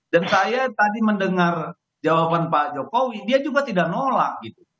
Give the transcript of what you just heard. dan saya tadi mendengar jawaban pak jokowi dia juga tidak nolak gitu